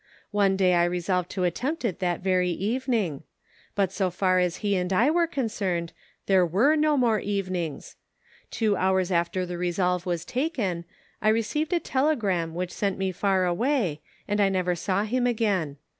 One day I resolved to attempt it that very evening ; but so far as he and I were concerned there were no more evenings. Two hours after the resolve was taken, I received a telegram which sent me far away, and I never saw him again.